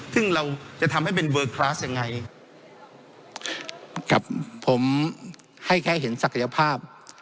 ซึ่งเราจะทำให้เป็นเวอร์คลาสยังไงกับผมให้แค่เห็นศักยภาพ